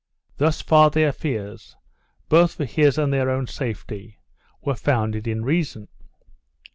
Thus far their fears, both for his and their own safety, were founded in reason.